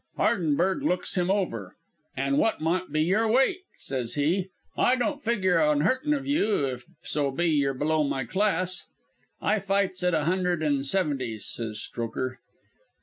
"Hardenberg looks him over. "'An' wot might be your weight?' says he. 'I don't figure on hurtin' of you, if so be you're below my class.' "'I fights at a hunder and seventy,' says Strokher.